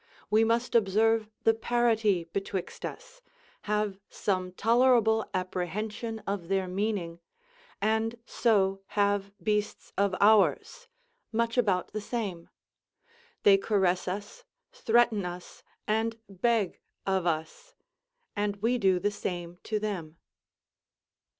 We must observe the parity betwixt us, have some tolerable apprehension of their meaning, and so have beasts of ours, much about the same. They caress us, threaten us, and beg of us, and we do the same to them.